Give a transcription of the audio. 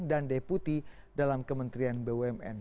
dan deputi dalam kementerian bumn